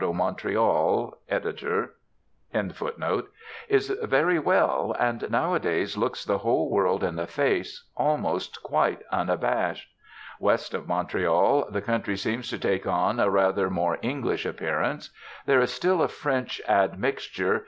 oh Montreal!" Ed.] is very well, and, nowadays, looks the whole world in the face, almost quite unabashed. West of Montreal, the country seems to take on a rather more English appearance. There is still a French admixture.